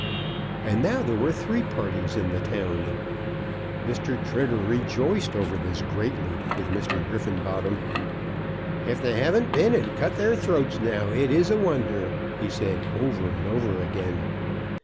And now there were three parties in the town. Mr. Trigger rejoiced over this greatly with Mr. Griffenbottom. "If they haven't been and cut their throats now it is a wonder," he said over and over again.